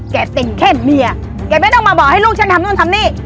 ติ่งเข้มเมียแกไม่ต้องมาบอกให้ลูกฉันทำนู่นทำนี่